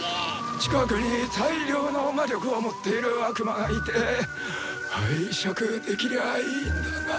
近くに大ッッ量の魔力を持っている悪魔がいて拝借できりゃあいいんだが。